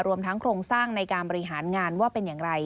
รวมทั้งโครงสร้างในการบริหารงานว่าเป็นอย่างไร